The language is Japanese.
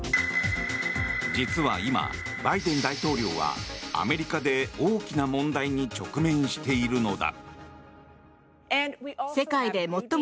実は今、バイデン大統領はアメリカで大きな問題に直面しているのだ。